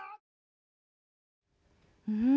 うん。